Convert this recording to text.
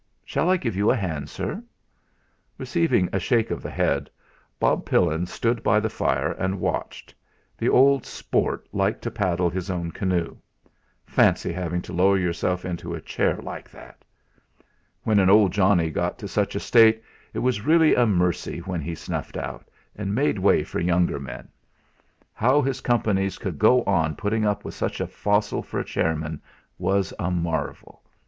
"Shall I give you a hand, sir?" Receiving a shake of the head, Bob Pillin stood by the fire and watched. The old "sport" liked to paddle his own canoe. Fancy having to lower yourself into a chair like that! When an old Johnny got to such a state it was really a mercy when he snuffed out, and made way for younger men. How his Companies could go on putting up with such a fossil for chairman was a marvel!